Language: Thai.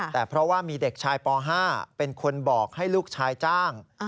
แต่เพราะว่ามีเด็กชายป๕เป็นคนบอกให้ลูกชายจ้าง